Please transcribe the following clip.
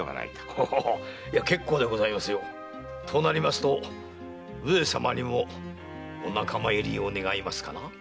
けっこうでございますよ。となりますと上様にもお仲間入りを願いますかな？